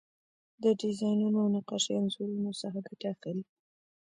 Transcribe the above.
د ډیزاینونو او نقاشۍ انځورونو څخه ګټه اخلي.